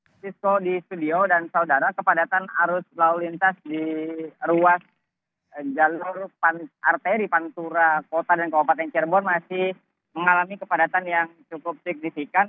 disco di studio dan saudara kepadatan arus lalu lintas di ruas jalur arteri pantura kota dan kabupaten cirebon masih mengalami kepadatan yang cukup signifikan